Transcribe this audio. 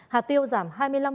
hạt tiêu giảm hai mươi năm chín